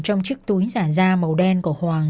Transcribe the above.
trong chiếc túi giả da màu đen của hoàng